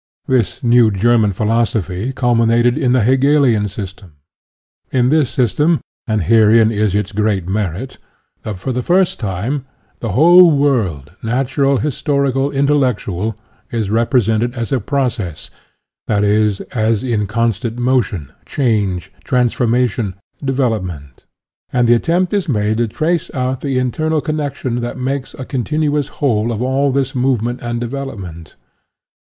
This new German philosophy culminated in the Hegelian system. In this system and herein is its great merit for the first time the whole world, natural, historical, intellectual, is represented as a process, i. e., as in constant motion, change, transforma tion, development; and the attempt is made to trace out the internal connection that makes a continuous whole of all this move ment and development.